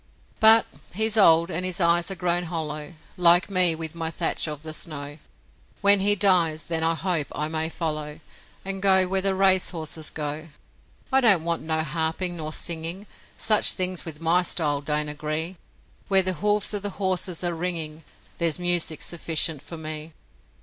..... But he's old and his eyes are grown hollow; Like me, with my thatch of the snow; When he dies, then I hope I may follow, And go where the racehorses go. I don't want no harping nor singing Such things with my style don't agree; Where the hoofs of the horses are ringing There's music sufficient for me.